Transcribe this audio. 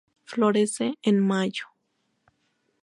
Florece en mayo.